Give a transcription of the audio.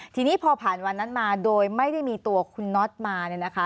ทีนี้พอผ่านวันนั้นมาโดยไม่ได้มีตัวคุณน็อตมาเนี่ยนะคะ